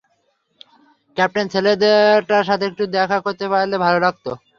Captain, ছেলেটার সাথে একটু দেখা করতে পারলে ভালো লাগতো।